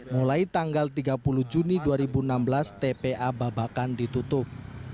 mulai tanggal tiga puluh juni dua ribu enam belas tpa babakan ditutup